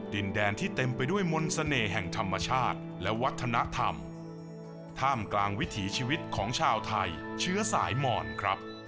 ดินแดนที่เต็มไปด้วยมนต์เสน่ห์แห่งธรรมชาติและวัฒนธรรมท่ามกลางวิถีชีวิตของชาวไทยเชื้อสายหมอนครับ